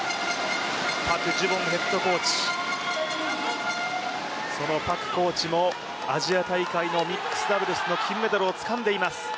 パク・ジュボンヘッドコーチ、そのパクコーチもアジア大会のミックスダブルスの金メダルをつかんでいます。